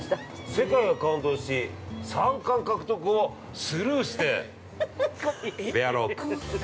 ◆世界が感動し三冠獲得をスルーして、ベアーロック。